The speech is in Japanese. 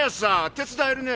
手伝えるね？